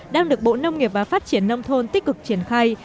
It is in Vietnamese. đang được bộ nông nghiệp và phát triển nông thôn tích cực triển khai